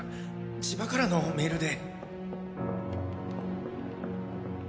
千葉からのメールで。